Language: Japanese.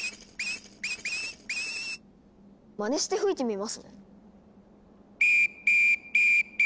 まねして吹いてみますね。